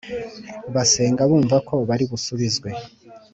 basenga bumva ko bari busubizwe